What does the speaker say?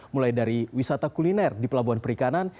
mulai dari wisata kuliner di pelabuhan perikanan